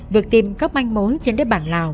việc tìm các manh mối trên đất bản lào